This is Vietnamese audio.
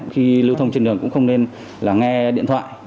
khi lưu thông trên đường cũng không nên là nghe điện thoại